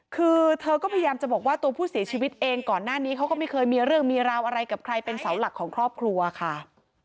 คือเธอก็พยายามจะบอกว่าตัวผู้เสียชีวิตเองก่อนหน้านี้เขาก็ไม่เคยมีเรื่องมีราวอะไรกับใครเป็นเสาหลักของครอบครัวค่ะ